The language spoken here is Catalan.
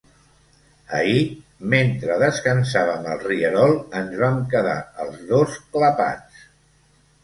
Ahir, mentre descansàvem al rierol ens vam quedar els dos clapats.